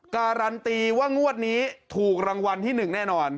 การันตีว่างวดนี้ถูกรางวัลที่๑แน่นอน